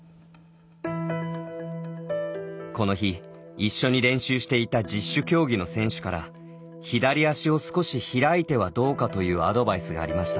この日、一緒に練習していた１０種競技の選手から左足を少し開いてはどうかというアドバイスがありました。